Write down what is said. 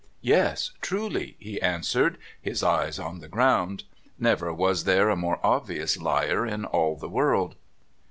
"Yes, truly," he answered, his eyes on the ground. Never was there a more obvious liar in all the world.